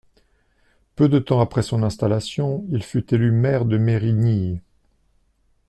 Peu de temps après son installation, il fut élu maire de Mérignies.